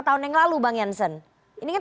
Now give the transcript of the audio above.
tahun yang lalu bang jansen ini kan